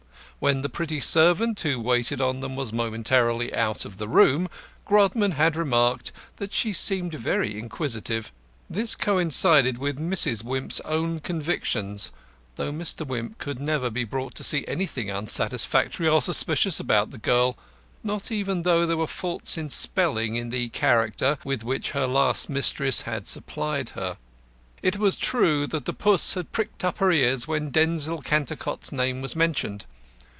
When the pretty servant who waited on them was momentarily out of the room, Grodman had remarked that she seemed very inquisitive. This coincided with Mrs. Wimp's own convictions, though Mr. Wimp could never be brought to see anything unsatisfactory or suspicious about the girl, not even though there were faults in spelling in the "character" with which her last mistress had supplied her. It was true that the puss had pricked up her ears when Denzil Cantercot's name was mentioned.